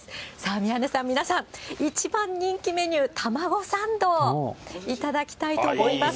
宮根さん、皆さん、一番人気メニュー、タマゴサンドを頂きたいと思います。